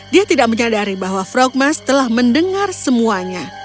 dia tidak menyadari bahwa frogmas telah mendengar semuanya